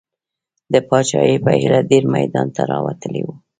د پاچاهۍ په هیله ډېر میدان ته راوتلي دي.